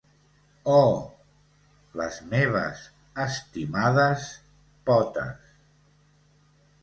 Oh, les meves estimades potes!